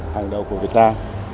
hàng đầu của việt nam